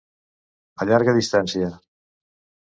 A llarga distància.